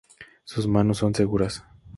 Sus manos son seguras.